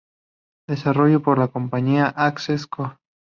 Desarrollado por la compañía Access Co.